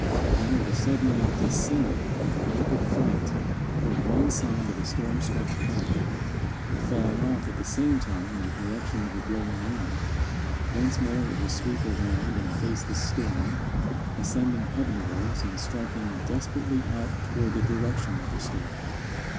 Then it will suddenly descend with rapid flight toward one side of the storm swept path, but falling off at the same time in the direction of the blowing wind. Once more it will sweep around and face the storm, ascending heavenwards and striking desperately out toward the direction of the storm.